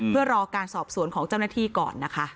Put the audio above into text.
เพื่อรอการสอบสวนของเจ้าหน้าที่ก่อนนะคะ